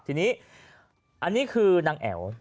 ทีนี้อันนี้คือนางแอ๋ว